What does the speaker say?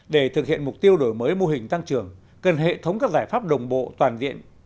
để thực hiện mục tiêu đổi mới mô hình tăng trưởng cần hệ thống các giải pháp đồng bộ toàn diện